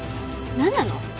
何なの！？